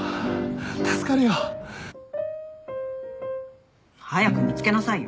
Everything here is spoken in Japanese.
助かるよ。早く見つけなさいよ。